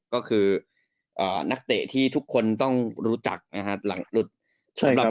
ก็คืออ่านักเตะที่ทุกคนต้องรู้จักนะฮะหลังหลุดใช่ครับ